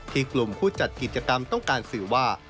กลุ่มผู้จัดกิจกรรมต้องการสื่อว่า